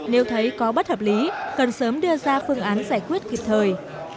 nếu thấy có bất hợp lý cần sớm đưa ra phương án giải quyết kịp thời